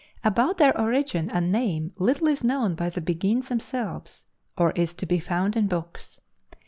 About their origin and name little is known by the Beguines themselves, or is to be found in books.